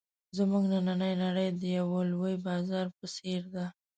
زموږ نننۍ نړۍ د یوه لوی بازار په څېر ده.